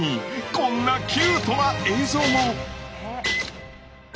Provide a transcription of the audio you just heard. こんなキュートな映像も！